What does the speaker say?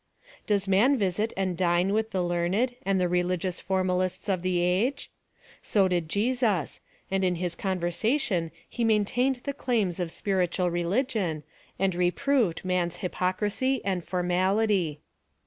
Does man visit and dine With the learned, and the religious formalists of the PLAN OP SALVATION. 1^7 a^e? So did Jesus; and in his conversation he maintained the claims of spiritual religion, and re proved man's hypocrisy and formality.